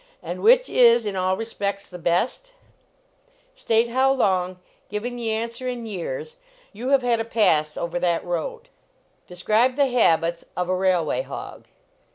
And which is, in all respects, the best ? State how long, giving the answer in years, you have had a pass over that road. Describe the habits of a railway hog.